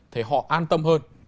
thì họ an tâm hơn